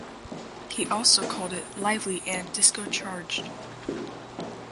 He also called it "lively" and "disco charged".